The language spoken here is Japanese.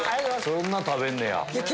そんな食べんねや。